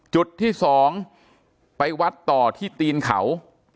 จุดที่๒ไปวัดต่อที่ตีนเขา